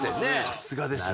さすがですね。